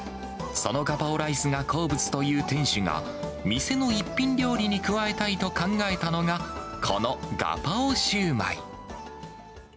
そのガパオライスが好物という店主が、店の一品料理に加えたいと考えたのが、このガパオシューマイ。